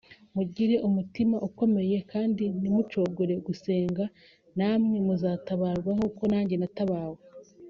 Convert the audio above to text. mugire umutima ukomeye kandi ntimucogore gusenga namwe muzatabarwa nk’uko nange natabawe